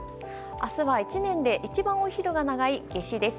明日は、１年で一番お昼が長い夏至です。